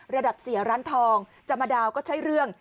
ระดับเสียร้านทองจะมาดาวก็ใช้เรื่อง